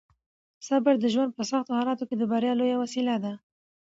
صبر د ژوند په سختو حالاتو کې د بریا لویه وسیله ده.